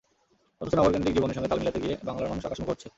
অথচ নগরকেন্দ্রিক জীবনের সঙ্গে তাল মিলাতে গিয়ে বাংলার মানুষ আকাশমুখো হচ্ছে।